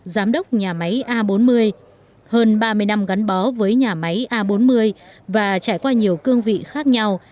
giám đốc nhà máy a bốn mươi hơn ba mươi năm gắn bó với nhà máy a bốn mươi và trải qua nhiều cương vị khác nhau